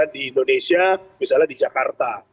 di indonesia misalnya di jakarta